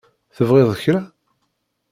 Tebɣiḍ kra?